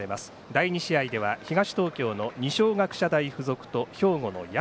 第２試合では東東京の二松学舎大付属と兵庫の社。